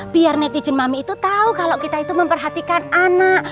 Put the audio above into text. biar netizen mami itu tahu kalau kita itu memperhatikan anak